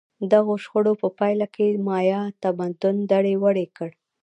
دغو شخړو په پایله کې مایا تمدن دړې وړې کړ.